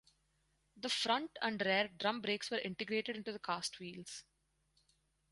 The front and rear drum brakes were integrated into the cast wheels.